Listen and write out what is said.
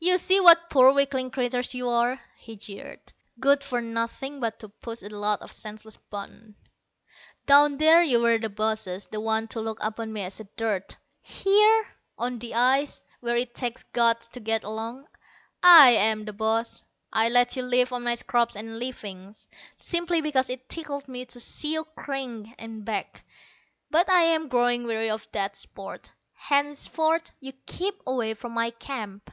"You see what poor weakling creatures you are," he jeered. "Good for nothing but to push a lot of senseless buttons. Down there you were the bosses, the ones to look upon me as dirt. Here, on the ice, where it takes guts to get along, I am the boss. I let you live on my scraps and leavings, simply because it tickled me to see you cringe and beg. But I am growing weary of that sport. Henceforth you keep away from my camp.